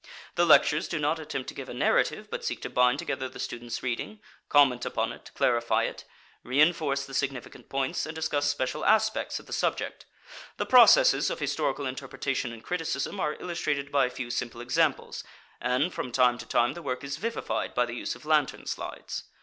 The lectures do not attempt to give a narrative, but seek to bind together the students' reading, comment upon it, clarify it, reënforce the significant points, and discuss special aspects of the subject. The processes of historical interpretation and criticism are illustrated by a few simple examples, and from time to time the work is vivified by the use of lantern slides.